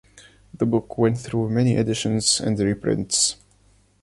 The book went through many editions and reprints.